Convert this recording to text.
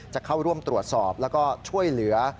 จะเข้าร่วมตรวจสอบแล้วก็ช่วยเหลือ